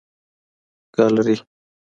ګالري